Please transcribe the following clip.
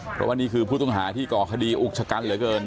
เพราะว่านี่คือผู้ต้องหาที่ก่อคดีอุกชะกันเหลือเกิน